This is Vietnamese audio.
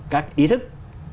các ý thức